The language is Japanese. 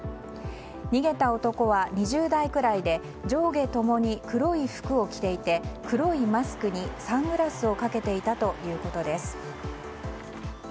逃げた男は２０代くらいで上下共に黒い服を着ていて黒いマスクに、サングラスをかけていたということです。